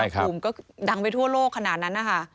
ภูมิก็ดังไปทั่วโลกขนาดนั้นนะคะ